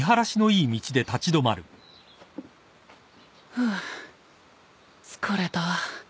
フゥ疲れた。